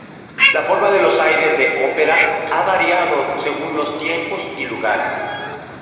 La forma de los aires de ópera ha variado según los tiempos y lugares.